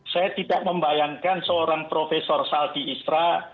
saya tidak membayangkan seorang profesor saldi isra